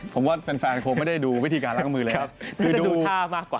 ผมว่าแฟนคงไม่ได้ดูวิธีการล้างมือเลยนะครับ